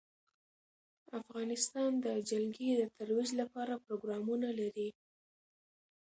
افغانستان د جلګه د ترویج لپاره پروګرامونه لري.